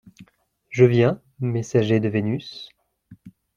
Je viens, messager de Vénus…